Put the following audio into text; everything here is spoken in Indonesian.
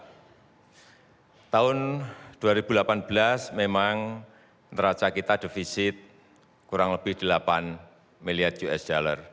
karena tahun dua ribu delapan belas memang neraca kita defisit kurang lebih delapan miliar usd